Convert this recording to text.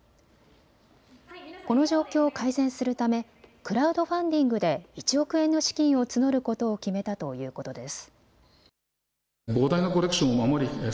この状況を改善するためクラウドファンディングで１億円の資金を募ることを決めたということです。